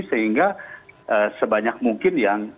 sehingga sebanyak mungkin yang